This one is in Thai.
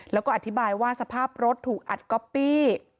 แล้วก็อธิบายว่าสภาพรถถูกอัดก๊อปปี้